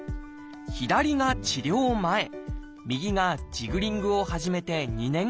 左が治療前右がジグリングを始めて２年後です。